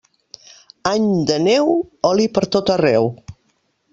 Any de neu, oli per tot arreu.